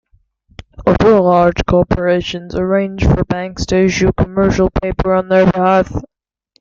Other large corporations arrange for banks to issue commercial paper on their behalf.